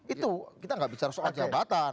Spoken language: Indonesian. itu kita nggak bicara soal jabatan